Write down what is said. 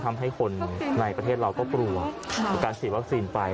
ทำให้คนในประเทศเราก็กลัวการฉีดวัคซีนไป